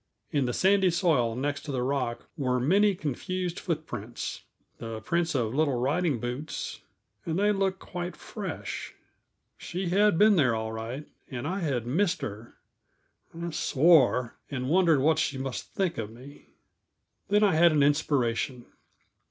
In the sandy soil next the rock were many confused footprints the prints of little riding boots; and they looked quite fresh. She had been there, all right, and I had missed her! I swore, and wondered what she must think of me. Then I had an inspiration.